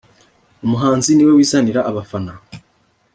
umuhanzi niwe wizanira abafana.